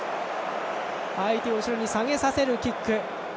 相手を後ろに下げさせるキック。